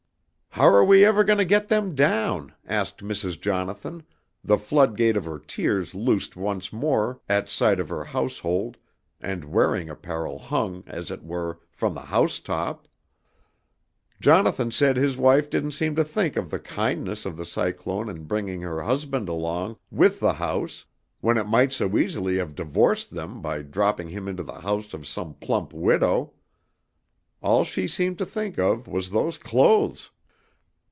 "'How are we ever going to get them down?' asked Mrs. Jonathan, the floodgate of her tears loosed once more at sight of her household and wearing apparel hung, as it were, from the housetop. "Jonathan said his wife didn't seem to think of the kindness of the cyclone in bringing her husband along with the house when it might so easily have divorced them by dropping him into the house of some plump widow. All she seemed to think of was those clothes.